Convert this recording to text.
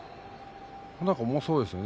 重そうですよね。